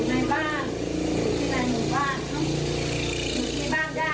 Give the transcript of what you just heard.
อยู่ในบ้านอยู่ที่ไหนอยู่บ้านอยู่ที่บ้านย่าตอนเนี้ยอยู่บ้านย่า